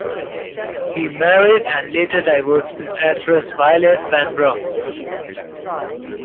He married and later divorced the actress Violet Vanbrugh.